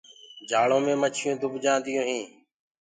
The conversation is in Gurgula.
جآݪو مي مڇيونٚ دُب جآنديو هينٚ۔